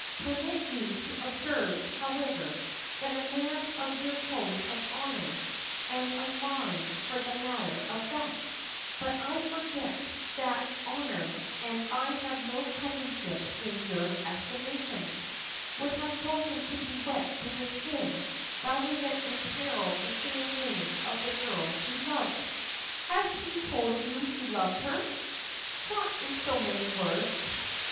Permit me to observe, however, that a man of your code of honor, and of mine for the matter of that but I forget that honor and I have no cousinship in your estimation would have chosen to be wet to the skin rather than imperil the fair name of the girl he loved." "Has he told you he loved her?" "Not in so many words."